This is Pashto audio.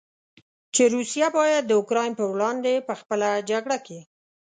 چې روسیه باید د اوکراین پر وړاندې په خپله جګړه کې.